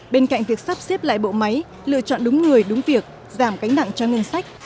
bên cạnh việc sắp xếp lại bộ máy lựa chọn đúng người đúng việc giảm cánh nặng cho ngân sách